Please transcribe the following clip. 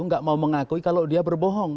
nggak mau mengakui kalau dia berbohong